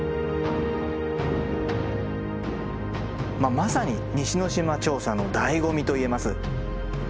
まさに西之島調査の醍醐味と言えます。